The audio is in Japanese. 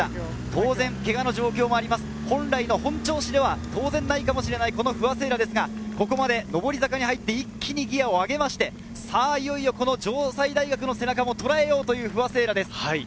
当然、けがの状況もあります、本調子ではないかもしれない不破聖衣来ですが、ここまで上り坂に入って一気にギアを上げて、いよいよこの城西大学の背中もとらえようという、不破聖衣来です。